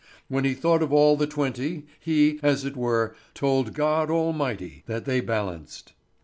When he thought of all the twenty, he, as it were, told God Almighty that they balanced.